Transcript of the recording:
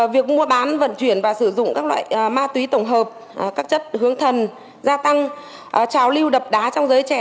việc mua bán vận chuyển và sử dụng các loại ma túy tổng hợp các chất hướng thần gia tăng trào lưu đập đá trong giới trẻ